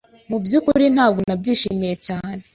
Mubyukuri ntabwo nabyishimiye cyane.